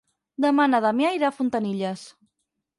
Demà na Damià irà a Fontanilles.